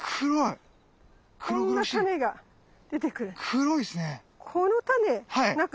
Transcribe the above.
黒いっすね。